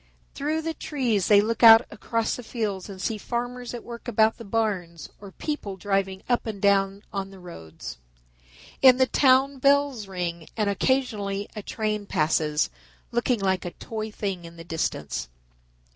Through the trees they look out across the fields and see farmers at work about the barns or people driving up and down on the roads. In the town bells ring and occasionally a train passes, looking like a toy thing in the distance.